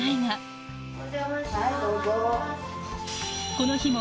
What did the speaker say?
この日も